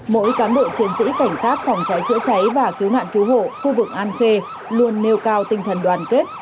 mỗi cán bộ chiến sĩ cảnh sát phòng cháy chữa cháy và cứu nạn cứu hộ khu vực an khê luôn nêu cao tinh thần đoàn kết